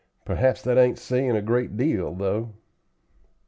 Perhaps that ain't saying a great deal, though."